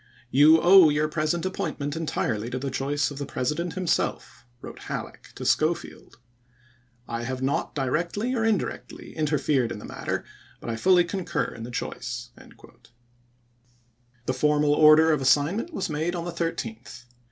"You owe your present appointment en tirely to the choice of the President himself," wi^ote f choflew? Halleck to Schofield. "I have not, dii'ectly or in ^Yea""'' du'ectly, interfered in the matter, but I fully concur voi. xxii., in the choice." The formal order of assignment p. 292/' was made on the 13th.